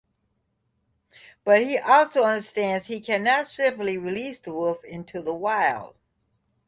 But he also understands he cannot simply release the wolf into the wild.